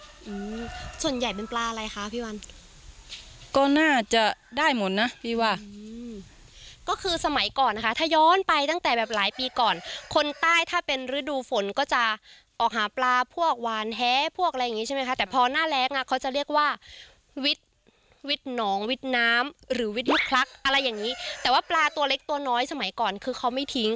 อืมส่วนใหญ่เป็นปลาอะไรคะพี่วันก็น่าจะได้หมดนะพี่ว่าอืมก็คือสมัยก่อนนะคะถ้าย้อนไปตั้งแต่แบบหลายปีก่อนคนใต้ถ้าเป็นฤดูฝนก็จะออกหาปลาพวกวานแฮพวกอะไรอย่างงี้ใช่ไหมคะแต่พอหน้าแรงอ่ะเขาจะเรียกว่าวิทย์วิทย์หนองวิทย์น้ำหรือวิทยุคลักษ์อะไรอย่างงี้แต่ว่าปลาตัวเล็กตัวน้อยสมัยก่อนคือเขาไม่ทิ้ง